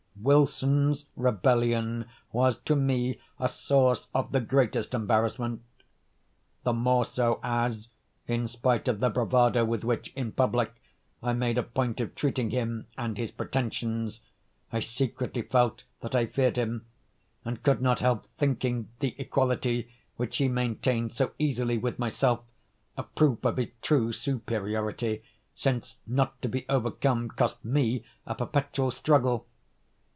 Wilson's rebellion was to me a source of the greatest embarrassment; the more so as, in spite of the bravado with which in public I made a point of treating him and his pretensions, I secretly felt that I feared him, and could not help thinking the equality which he maintained so easily with myself, a proof of his true superiority; since not to be overcome cost me a perpetual struggle.